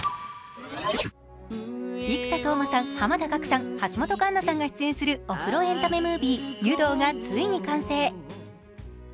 生田斗真さ、濱田岳さん、橋本環奈さんが出演するお風呂エンタメムービー「湯道」がついに完成。